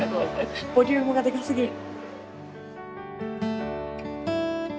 ボリュームがでかすぎる。